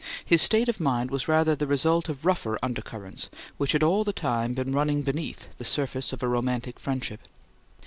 His state of mind was rather the result of rougher undercurrents which had all the time been running beneath the surface of a romantic friendship.